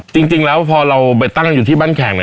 จริงแล้วพอเราไปตั้งอยู่ที่บ้านแข่ง